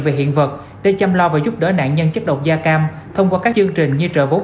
về hiện vật để chăm lo và giúp đỡ nạn nhân chất độc da cam thông qua các chương trình như trợ bốn